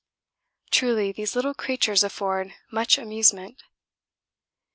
Truly these little creatures afford much amusement.